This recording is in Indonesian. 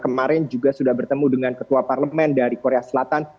kemarin juga sudah bertemu dengan ketua parlemen dari korea selatan